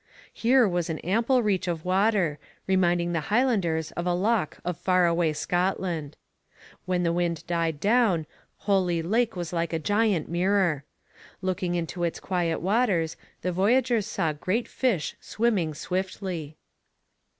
Here was an ample reach of water, reminding the Highlanders of a loch of far away Scotland. When the wind died down, Holy Lake was like a giant mirror. Looking into its quiet waters, the voyagers saw great fish swimming swiftly.